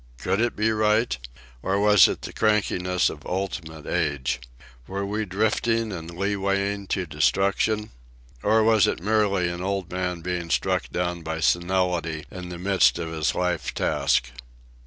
Could it be right? Or was it the crankiness of ultimate age? Were we drifting and leewaying to destruction? Or was it merely an old man being struck down by senility in the midst of his life task?